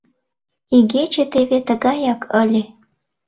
— Игече теве тыгаяк ыле.